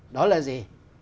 đó là gì